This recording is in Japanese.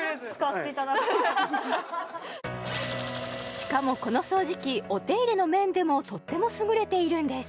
しかもこの掃除機お手入れの面でもとっても優れているんです